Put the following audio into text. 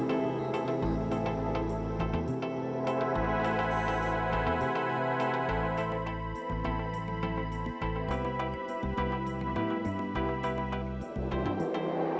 jangan tightening itu des